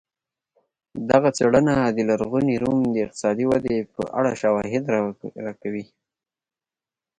دغه څېړنه د لرغوني روم د اقتصادي ودې په اړه شواهد راکوي